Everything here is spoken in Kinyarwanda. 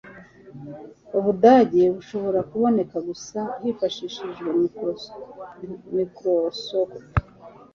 ubudage bushobora kuboneka gusa hifashishijwe microscope